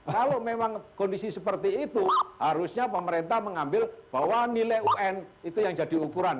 kalau memang kondisi seperti itu harusnya pemerintah mengambil bahwa nilai un itu yang jadi ukuran